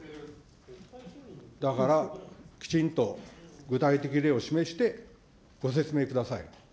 だからきちんと具体的例を示して、ご説明ください。